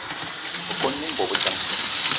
Me kon mina bobedjan.